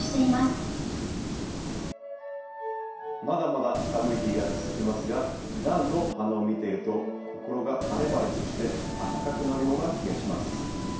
まだまだ寒い日が続きますがランの花を見ていると心が晴れ晴れとしてあったかくなるような気がします。